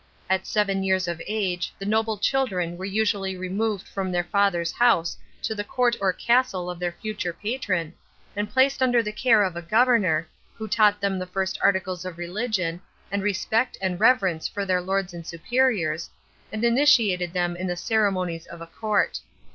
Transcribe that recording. At seven years of age the noble children were usually removed from their father's house to the court or castle of their future patron, and placed under the care of a governor, who taught them the first articles of religion, and respect and reverence for their lords and superiors, and initiated them in the ceremonies of a court.